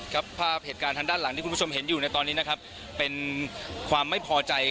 ภาพเหตุการณ์ทางด้านหลังที่คุณผู้ชมเห็นอยู่ในตอนนี้นะครับเป็นความไม่พอใจ